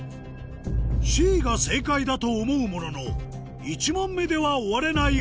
Ｃが正解だと思うものの１問目では終われない